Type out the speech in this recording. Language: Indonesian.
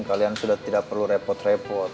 kalian sudah tidak perlu repot repot